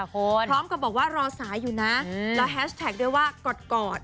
พร้อมกับบอกว่ารอสายอยู่นะแล้วแฮชแท็กด้วยว่ากอด